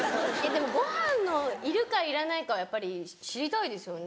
でもご飯のいるかいらないかはやっぱり知りたいですよね。